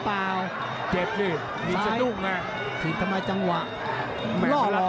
มุมแดงที่เห็นแล้วครับสอนหน้านี้นี่อรัวมัติเป็นประทัดจุดจีนเลยนะพี่ชัยนะ